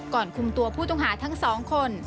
ก่อนคุมตัวผู้ต้องหาทั้งสองคน